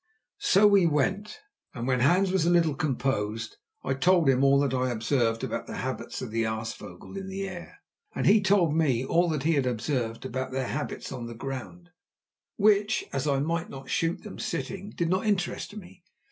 So we went, and when Hans was a little composed I told him all that I had observed about the habits of the aasvogel in the air, and he told me all that he had observed about their habits on the ground, which, as I might not shoot them sitting, did not interest me.